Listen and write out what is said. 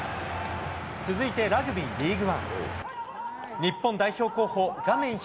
続いて、ラグビー・リーグワン。日本代表候補、画面